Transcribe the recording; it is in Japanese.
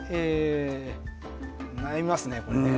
悩みますね、これは。